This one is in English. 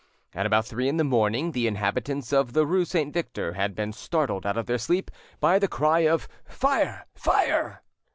At about three in the morning the inhabitants of the rue St. Victor had been startled out of their sleep by the cry of "Fire, fire!"